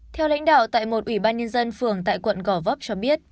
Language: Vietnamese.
theo lãnh đạo tại một ủy ban nhân dân phường tại quận gò vấp cho biết